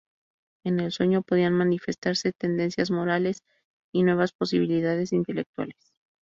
En el sueño podían manifestarse tendencias morales y nuevas posibilidades intelectuales.